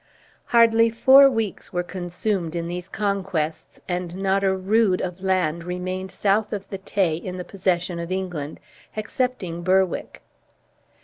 Hardly four weeks were consumed in these conquests, and not a rood of land remained south of the Tay in the possession of England, excepting Berwick.